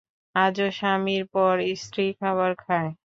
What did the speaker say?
আজও স্বামীর পর স্ত্রী খাবার খায়।